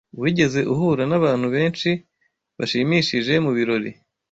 Wigeze uhura nabantu benshi bashimishije mubirori?